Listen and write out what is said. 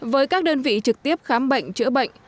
với các đơn vị trực tiếp khám bệnh chữa bệnh